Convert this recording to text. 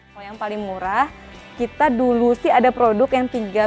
kalau yang paling murah kita dulu sih ada produk yang tiga pieces seratus ribu